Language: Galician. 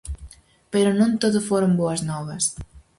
Pero non todo foron boas novas.